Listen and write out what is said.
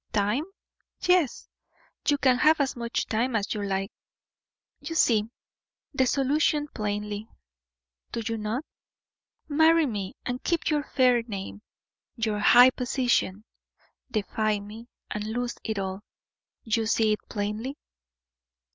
"Time? Yes; you can have as much time as you like. You see the solution plainly, do you not? Marry me, and keep your fair name, your high position; defy me, and lose it all. You see it plainly?"